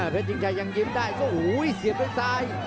เพชรจริงใจยังยิบได้เสียบเหลือใซซ์